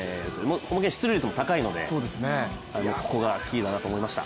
出塁率も高いのでここがキーだなと思いました。